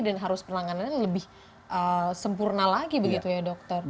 dan harus penanganannya lebih sempurna lagi begitu ya dokter